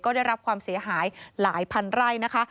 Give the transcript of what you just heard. ได้รับความเสียหายหลายพันไร่นะคะ